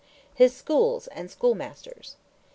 HIS SCHOOLS AND SCHOOLMASTERS.